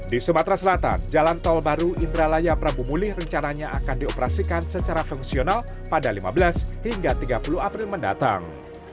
di sumatera selatan jalan tol baru indralaya prabu mulih rencananya akan dioperasikan secara fungsional pada lima belas hingga tiga puluh april mendatang